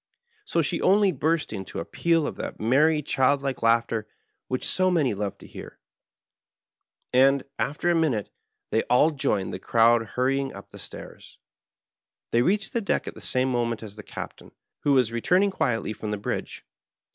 So she only burst into a peal of that merry child like laughter which so many love to hear, and, after a minute, they all joined the crowd hurrying up the stairs. They reached the deck at the same moment as the Captain, who was returning quietly from the bridge.